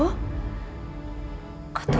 kau tuh ngomongin dia lewat depan